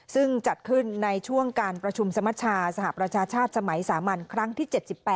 ซึ่งจัดขึ้นในช่วงการประชุมสมชาสหประชาชาติสมัยสามัญครั้งที่๗๘